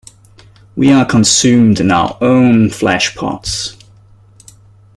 We are consumed in our own flesh-pots.